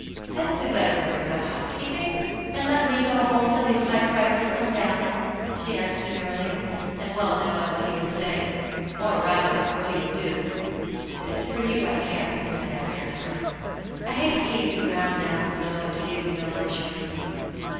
Hadn't we better break up housekeeping and let me go home till these high prices come down ?" she asked demiirely, and well knowing what he would say, or rather, what he would do. " It is for you I care," he said, after a time. " I hate to keep you ground *down so and to give you no luxuries."